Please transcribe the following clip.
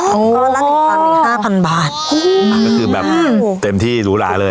ก็ละ๑๐๐๐เป็น๕๐๐๐บาทก็คือแบบเต็มที่หรูหราเลย